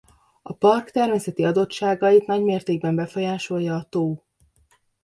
A park természeti adottságait nagymértékben befolyásolja a tó.